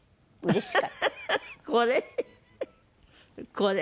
これ？